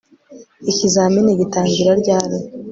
Ikizamini gitangira ryari